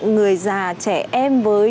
người già trẻ em với